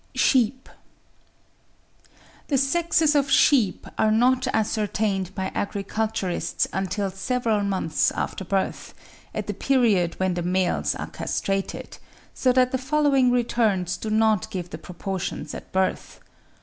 SHEEP. The sexes of sheep are not ascertained by agriculturists until several months after birth, at the period when the males are castrated; so that the following returns do not give the proportions at birth.